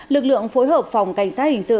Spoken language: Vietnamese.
lực lượng phối hợp phòng cảnh sát hình dự